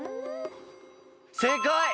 正解！